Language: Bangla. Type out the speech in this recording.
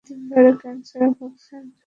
কিভাবে সম্ভব, ভাই।